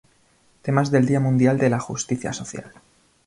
Temas del Día Mundial de la Justicia Social